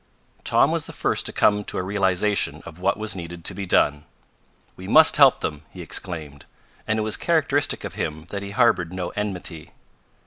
Tom was the first to come to a realization of what was needed to be done. "We must help them!" he exclaimed, and it was characteristic of him that he harbored no enmity.